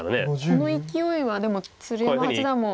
このいきおいはでも鶴山八段も。